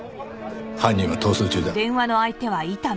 犯人は逃走中だ。